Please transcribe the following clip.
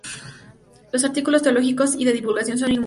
Los artículos teológicos y de divulgación son innumerables.